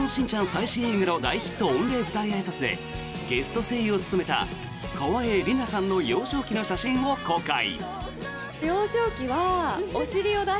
最新映画の大ヒット御礼舞台あいさつでゲスト声優を務めた川栄李奈さんの幼少期の写真を公開。